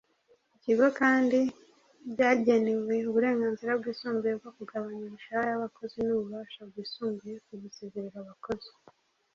Ibigo kandi byagenewe uburenganzira bwisumbuye mu kugabanya imishahara y’abakozi n’ububasha bwisumbuye mu gusezerera abakozi